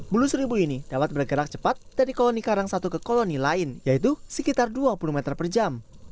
bulu seribu ini dapat bergerak cepat dari koloni karang satu ke koloni lain yaitu sekitar dua puluh meter per jam